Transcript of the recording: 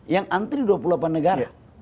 yang antri dua puluh delapan negara